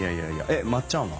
えっまっちゃんは？